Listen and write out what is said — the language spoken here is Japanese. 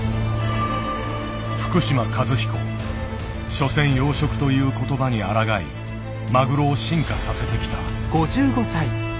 「しょせん養殖」という言葉にあらがいマグロを進化させてきた。